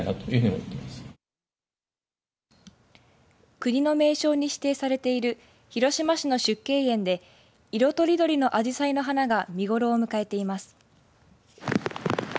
国の名勝に指定されている広島市の縮景園で色とりどりのアジサイの花が見頃を迎えています。